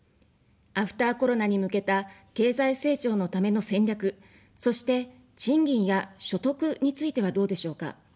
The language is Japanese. アフターコロナに向けた経済成長のための戦略、そして、賃金や所得についてはどうでしょうか。